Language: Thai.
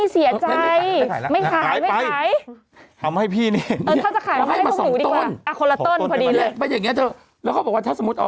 จะให้ขายเย็นนี้ดู